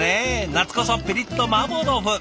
夏こそピリッとマーボー豆腐！